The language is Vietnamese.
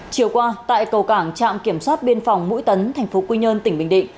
chiều qua tại cầu cảng trạm kiểm soát biên phòng mũi tấn thành phố quy nhơn tỉnh bình định